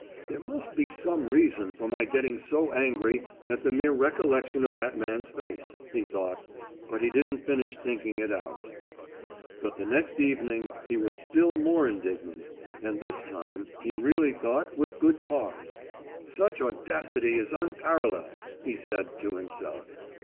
"There must be some reason for my getting so angry at the mere recollection of that man's face," he thought, but he didn't finish thinking it out. But the next evening he was still more indignant; and this time, he really thought, with good cause. "Such audacity is unparalleled!" he said to himself.